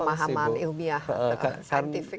pemahaman ilmiah atau scientific